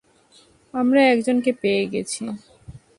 আমরা একজনকে পেয়ে গেছি।